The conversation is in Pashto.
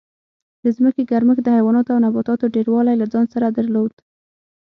د ځمکې ګرمښت د حیواناتو او نباتاتو ډېروالی له ځان سره درلود